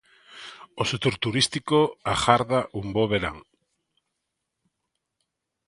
O sector turístico agarda un bo verán.